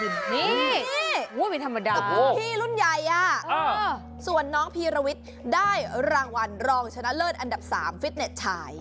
นี่ไม่มีธรรมดาพี่รุ่นใหญ่อ่ะส่วนน้องพีราวิทได้รางวัลรองชนะเลิศอันดับ๓ฟิสเน็ตชาย